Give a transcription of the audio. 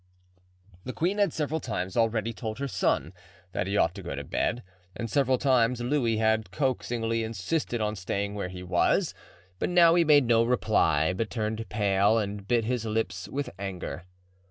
The queen had several times already told her son that he ought to go to bed, and several times Louis had coaxingly insisted on staying where he was; but now he made no reply, but turned pale and bit his lips with anger.